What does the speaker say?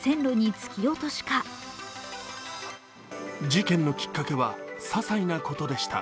事件のきっかけはささいなことでした。